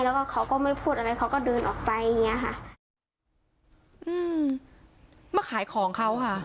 แล้วก็เขาก็ไม่พูดอะไรเขาก็เดินออกไปอย่างเงี้ยค่ะอืมมาขายของเขาค่ะ